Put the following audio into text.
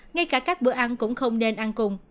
ngay cả các bữa ăn cũng không nên ăn cùng